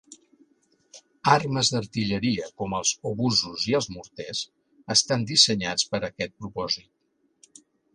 Armes d'artilleria com els obusos i els morters estan dissenyats per a aquest propòsit.